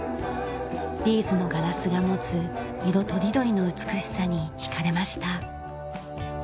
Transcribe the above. ビーズのガラスが持つ色とりどりの美しさに引かれました。